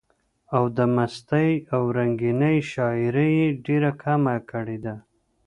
او د مستۍ او رنګينۍ شاعري ئې ډېره کمه کړي ده،